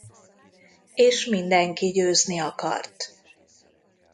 És mindenki győzni akart.